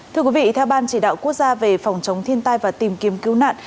thưa quý vị theo ban chỉ đạo quốc gia về phòng chống thiên tai và tìm kiếm cứu nạn